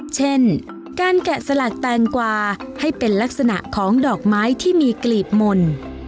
เช่นการแกะสลักแตงกวาให้เป็นลักษณะของดอกไม้ที่มีกลีบมนต์